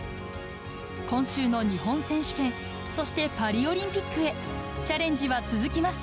今週の日本選手権、そしてパリオリンピックへ、チャレンジは続きます。